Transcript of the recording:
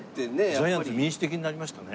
ジャイアンツ民主的になりましたね。